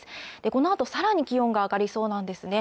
このあとさらに気温が上がりそうなんですね